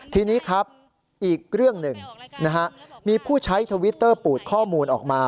ทีนี้ครับอีกเรื่องหนึ่งมีผู้ใช้ทวิตเตอร์ปูดข้อมูลออกมา